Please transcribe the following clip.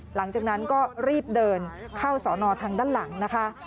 หลังจากนั้นก็รีบเดินเข้าสอนอทางด้านหลังนะคะ